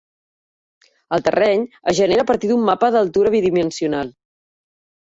El terreny es genera a partir d'un mapa d'altura bidimensional.